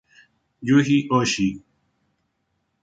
Yuji Hoshi